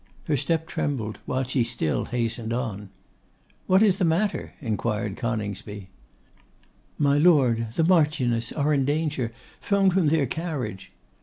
Her step trembled, while she still hastened on. 'What is the matter?' inquired Coningsby. 'My Lord, the Marchioness, are in danger, thrown from their carriage.